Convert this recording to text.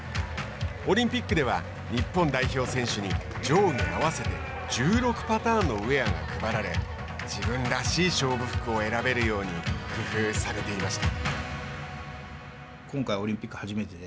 オリンピックでは日本代表選手に上下合わせて１６パターンのウエアが配られ自分らしい勝負服を選べるように工夫されていました。